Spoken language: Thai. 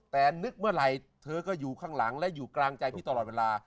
แต่นึกเมื่อไหร่เธอก็อยู่ข้างหลังและอยู่กลางใจพี่ตลอดเวลา